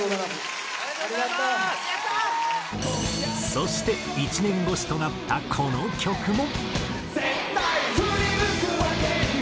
そして１年越しとなったこの曲も。